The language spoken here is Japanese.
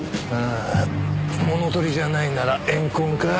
あ物盗りじゃないなら怨恨か？